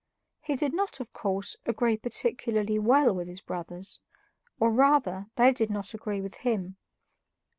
He did not, of course, agree particularly well with his brothers, or, rather, they did not agree with HIM.